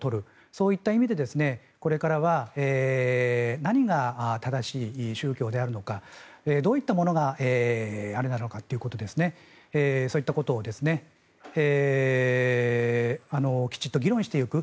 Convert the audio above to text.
そういった意味でこれからは何が正しい宗教であるのかどういったものがあれなのかってことをそういったことをきちんと議論していく。